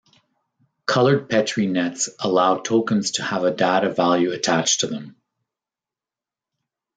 Coloured Petri Nets allow tokens to have a data value attached to them.